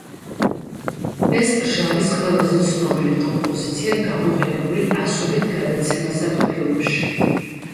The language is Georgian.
ეს ჟარის ყველაზე ცნობილი კომპოზიცია, გამოყენებული ასობით გადაცემასა თუ ფილმში.